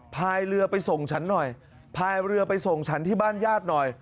พายเรือไปส่งฉันหน่อยพายเรือไปส่งฉันที่บ้านญาติหน่อย